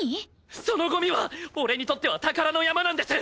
そのゴミは俺にとっては宝の山なんです！